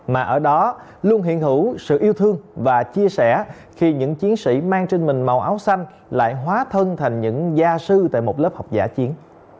mà ở đó luôn hiện hữu sự yêu thương và chia sẻ khi những chiến sĩ mang trên mình màu áo xanh lại hóa thân thành những gia sư tại một lớp học giả chiến